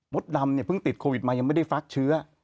ดำเนี่ยเพิ่งติดโควิดมายังไม่ได้ฟักเชื้อ